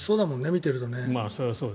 見てるとね。